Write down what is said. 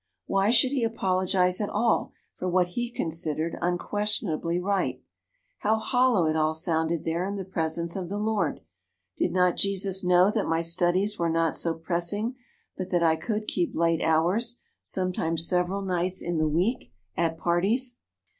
Why should he apologize at all for what he considered unquestionably right? How hollow it all sounded there in the presence of the Lord! Did not Jesus know that my studies were not so pressing but that I could keep late hours, sometimes several nights in the week, at parties?